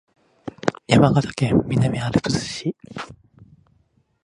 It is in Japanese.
山梨県南アルプス市